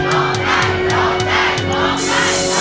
โอ่ไก่โอ่ไก่